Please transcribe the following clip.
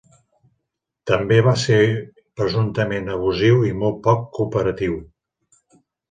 També va ser presumptament abusiu i molt poc cooperatiu.